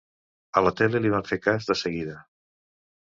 A la tele li van fer cas de seguida.